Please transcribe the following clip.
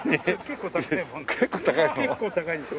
結構高いの？